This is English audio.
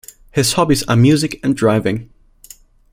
His hobbies are music and driving.